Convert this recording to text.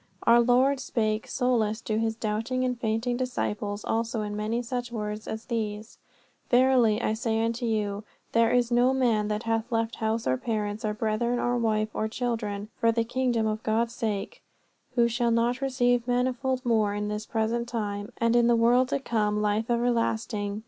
Our Lord spake solace to His doubting and fainting disciples also in many such words as these: "Verily, I say unto you, there is no man that hath left house, or parents, or brethren, or wife, or children for the kingdom of God's sake, who shall not receive manifold more in this present time, and in the world to come life everlasting."